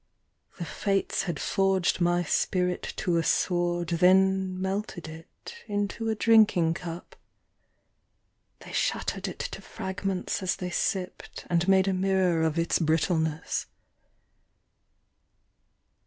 The fates had forged my spirit to a sword Then melted it Into a drinking cup. They shattered it to fragments as they sipped, And made a mirror of its brittleness.